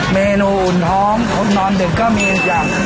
เมนูอุ่นท้องนอนดึกก็มีอย่าง